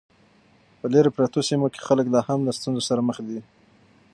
په لیرې پرتو سیمو کې خلک لا هم له ستونزو سره مخ دي.